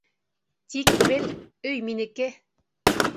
Тик бел: өй минеке.